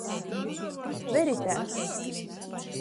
Veritēs!